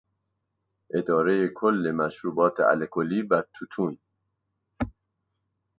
ادارهی کل مشروبات الکلی و توتون